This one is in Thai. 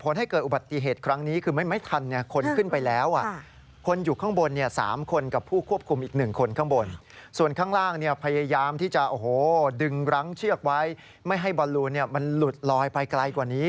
ไม่ให้บอลลูนเนี้ยมันหลุดลอยไปไกลกว่านี้